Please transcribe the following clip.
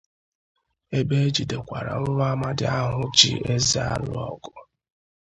ebe e jidekwara nwa amadi ahụ ji eze alụ ọgụ.